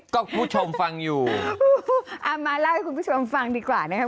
ก็คุณผู้ชมฟังอยู่เอามาเล่าให้คุณผู้ชมฟังดีกว่านะครับ